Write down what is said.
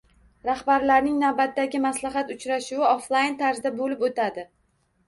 Rahbarlarining navbatdagi maslahat uchrashuvi oflayn tarzda boʻlib oʻtadi.